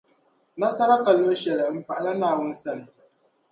Nasara ka luɣushɛli m-pahila Naawuni sani.